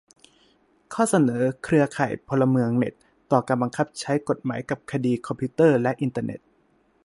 ข้อเสนอเครือข่ายพลเมืองเน็ต ต่อการบังคับใช้กฎหมายกับคดีคอมพิวเตอร์และอินเทอร์เน็ต